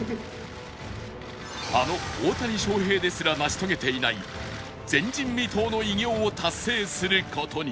あの大谷翔平ですら成し遂げていない前人未到の偉業を達成する事に